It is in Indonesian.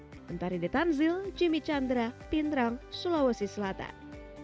bentar di tanzil jimmy chandra pintrang sulawesi selatan